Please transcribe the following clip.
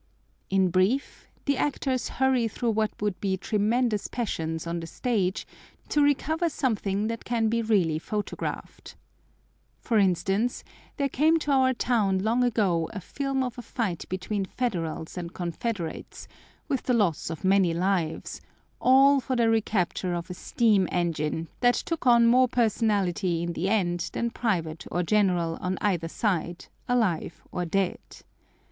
In brief, the actors hurry through what would be tremendous passions on the stage to recover something that can be really photographed. For instance, there came to our town long ago a film of a fight between Federals and Confederates, with the loss of many lives, all for the recapture of a steam engine that took on more personality in the end than private or general on either side, alive or dead.